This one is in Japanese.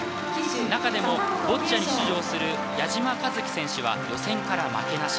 中でもボッチャに出場する矢島一樹選手は予選から負けなし。